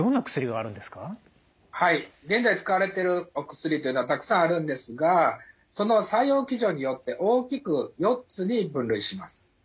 はい現在使われてるお薬というのはたくさんあるんですがその作用機序によって大きく４つに分類します。